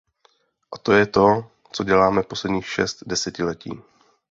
A to je to, co děláme posledních šest desetiletí.